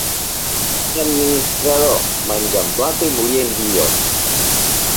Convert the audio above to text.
Administrador, menjar en plata i morir en grillons.